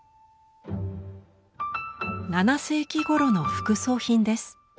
７世紀ごろの副葬品です。